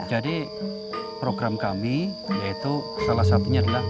jadi program kami yaitu salah satunya adalah